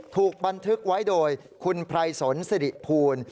ถูกบันทึกไว้โดยคุณไพรสนสิริภูล